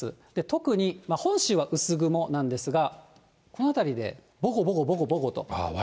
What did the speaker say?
特に本州は薄雲なんですが、この辺りでぼこぼこぼこぼこと。